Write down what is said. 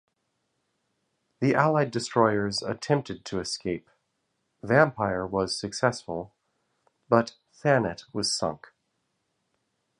The allied destroyers attempted to escape: "Vampire" was successful, but "Thanet" was sunk.